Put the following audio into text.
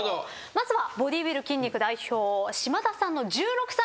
まずはボディビル筋肉代表嶋田さんの１６歳。